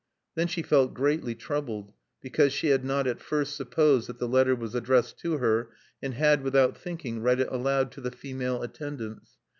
Then she felt greatly troubled, because she had not at first supposed that the letter was addressed to her, and had, without thinking, read it aloud to the female attendants.